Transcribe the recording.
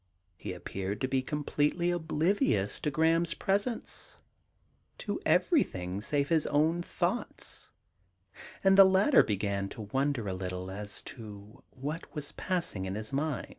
He appeared to be completely oblivious to Graham's presence, to ever3i;hing save his own thoughts, and the latter began to wonder a little as to what was passing in his mind.